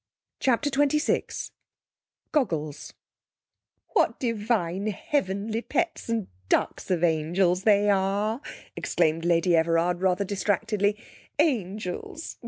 CHAPTER XXVI Goggles 'What divine heavenly pets and ducks of angels they are!' exclaimed Lady Everard rather distractedly. 'Angels!